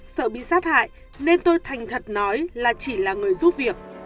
sợ bị sát hại nên tôi thành thật nói là chỉ là người giúp việc